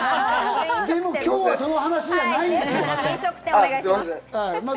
でも今日はその話じゃないんです。